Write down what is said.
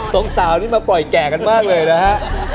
สองสาวนี่มาปล่อยแก่กันมากเลยนะฮะ